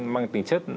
mang tính chất